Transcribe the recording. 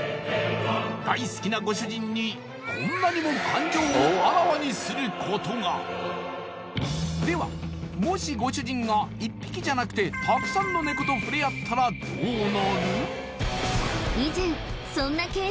大好きなご主人にこんなにも感情をあらわにすることがではもしご主人が１匹じゃなくてたくさんのネコと触れ合ったらどうなる？